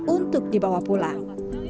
untuk dibawa pulang